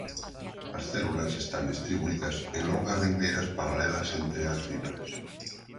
As células están distribuídas en longas ringleiras paralelas entre as fibras.